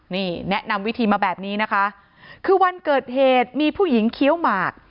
นี่แนะนำวิธีมาแบบนี้นะคะคือวันเกิดเหตุมีผู้หญิงเคี้ยวหมาก